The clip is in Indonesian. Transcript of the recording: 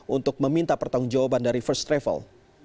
untuk meminta pertanggung jawaban dari first travel